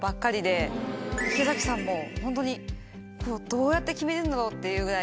池崎さんもホントにどうやって決めるの？っていうぐらい。